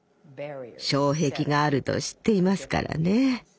障壁があると知っていますからね。